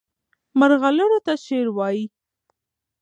مرغلرو ته شعر وایي.